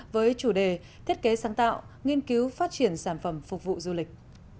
với chủ đề thiết kế sáng tạo nghiên cứu phát triển sản phẩm phục vụ du lịch